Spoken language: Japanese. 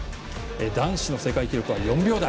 男子の世界記録は４秒台。